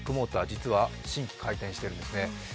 実は新規開店してるんですね。